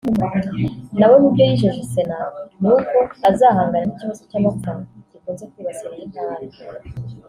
nawe mu byo yijeje Sena ni uko azahangana n’ikibazo cy’amapfa gikunze kwibasira iyi ntara